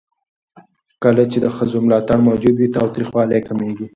کله چې د ښځو ملاتړ موجود وي، تاوتريخوالی کمېږي.